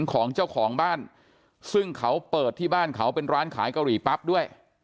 ของเจ้าของบ้านซึ่งเขาเปิดที่บ้านเขาเป็นร้านขายกะหรี่ปั๊บด้วย